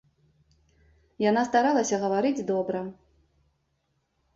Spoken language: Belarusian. Яна старалася гаварыць добра.